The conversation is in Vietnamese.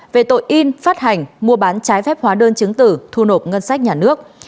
về tội in phát hành mua bán trái phép hóa đơn chứng tử thu nộp ngân sách nhà nước